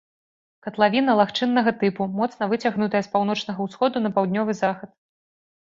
Катлавіна лагчыннага тыпу, моцна выцягнутая з паўночнага ўсходу на паўднёвы захад.